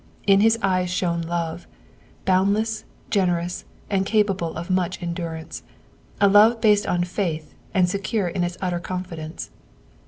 In his eyes shone love, bound less, generous, and capable of much endurance, a love based on faith and secure in its utter confidence.